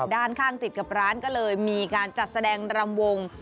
ด้านข้างติดกับร้านก็เลยมีการจัดแสดงรำวง